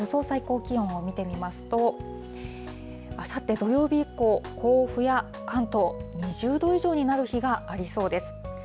最高気温を見てみますと、あさって土曜日以降、甲府や関東、２０度以上になる日がありそうです。